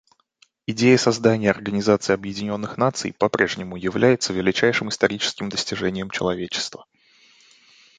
Идея создания Организации Объединенных Наций по-прежнему является величайшим историческим достижением человечества.